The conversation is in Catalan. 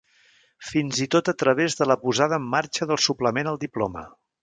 fins i tot a través de la posada en marxa del suplement al diploma